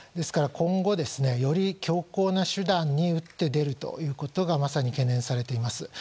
今後、より強硬な手段に打って出るということがまさに懸念されています。